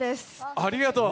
ありがとう。